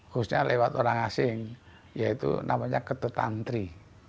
khususnya lewat orang asing yaitu namanya ketetantri